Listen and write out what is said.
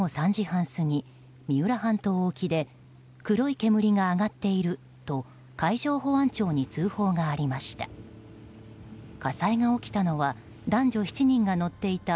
半島沖で黒い煙が上がっていると海上保安庁に通報がありました。